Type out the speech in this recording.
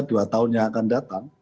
dua tahun yang akan datang